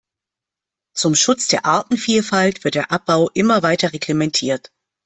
Zum Schutz der Artenvielfalt wird der Abbau immer weiter reglementiert.